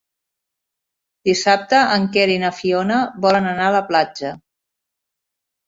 Dissabte en Quer i na Fiona volen anar a la platja.